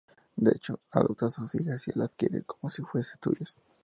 De hecho, adopta a sus hijas y las quiere como si fuesen suyas.